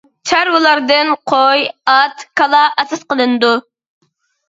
چارۋىلاردىن قوي، ئات، كالا ئاساس قىلىنىدۇ.